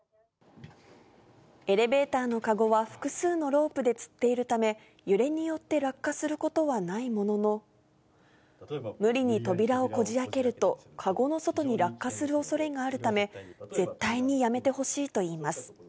エレベーターのかごは複数のロープでつっているため、揺れによって落下することはないものの、無理に扉をこじあけると、かごの外に落下するおそれがあるため、絶対にやめてほしいといいます。